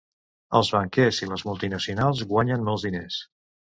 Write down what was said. Els banquers i les multinacionals guanyen molts diners.